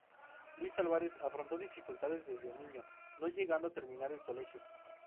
Luis Álvarez afrontó dificultades desde niño, no llegando a terminar el colegio.